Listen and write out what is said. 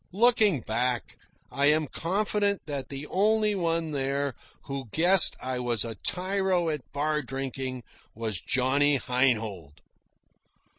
Looking back, I am confident that the only one there who guessed I was a tyro at bar drinking was Johnny Heinhold.